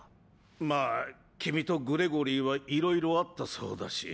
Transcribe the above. まぁ君とグレゴリーはいろいろあったそうだし。